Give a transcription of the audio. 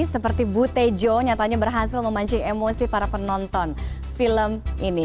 seperti butejo nyatanya berhasil memancing emosi para penonton film ini